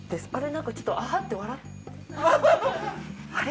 なんかちょっとあはって笑ってたあれ！？